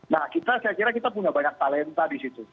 nah saya kira kita punya banyak talenta di situ